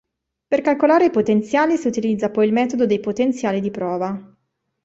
Per calcolare i potenziali si utilizza poi il metodo dei potenziali di prova.